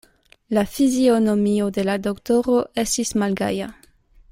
La fizionomio de la doktoro estis malgaja.